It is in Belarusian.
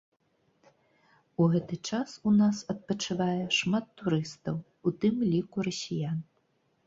У гэты час у нас адпачывае шмат турыстаў, у тым ліку расіян.